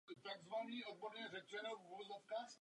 Radikální pravice to potřebuje i proto, že je před volbami.